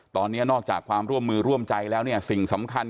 ตอนนี้นอกจากความร่วมมือร่วมใจแล้วเนี่ยสิ่งสำคัญ